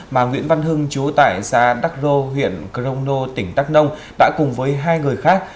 mà nguyễn văn hưng chú tại xã đắc rô huyện crono tỉnh đắk nông đã cùng với hai người khác